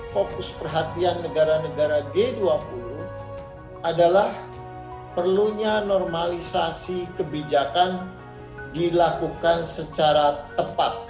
fokus perhatian negara negara g dua puluh adalah perlunya normalisasi kebijakan dilakukan secara tepat